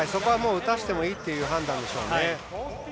打たせてもいいという判断でしょうね。